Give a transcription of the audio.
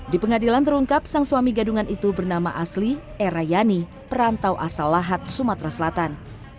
di pengadilan terungkap sang suami gadungan itu bernama asli erayani perantau asal lahat sumatera selatan